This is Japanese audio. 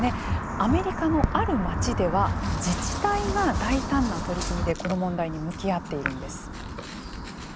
アメリカのある街では自治体が大胆な取り組みでこの問題に向き合っているんです。